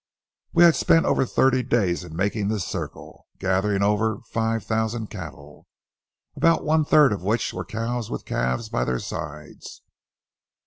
We had spent over thirty days in making this circle, gathering over five thousand cattle, about one third of which were cows with calves by their sides.